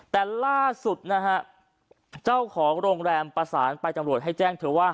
แต่ล่าสุดนะฮะเจ้าของโรงแรมประสานไปจำรวจให้แจ้งเธอว่า